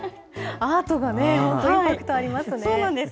アートが本当、インパクトありますね。